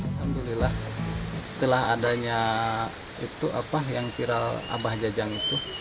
alhamdulillah setelah adanya viral abah jajang itu